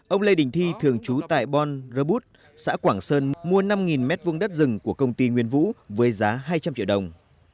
ông lê đình thi thường trú tại bon rơ bút xã quảng sơn mua năm m hai đất rừng của công ty nguyên vũ với giá hai trăm linh triệu đồng